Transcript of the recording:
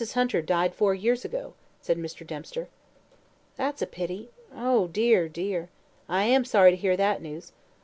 Hunter died four years ago," said Mr. Dempster. "That's a pity. Oh, dear, dear! I am sorry to hear that news.